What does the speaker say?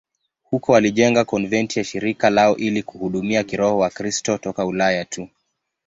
Huko walijenga konventi ya shirika lao ili kuhudumia kiroho Wakristo toka Ulaya tu.